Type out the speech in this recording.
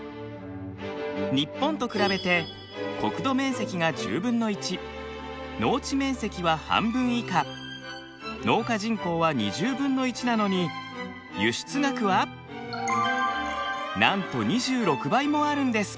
日本と比べて国土面積が農地面積は半分以下農家人口はなのに輸出額はなんと２６倍もあるんです。